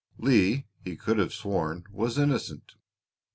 Leigh, he could have sworn, was innocent.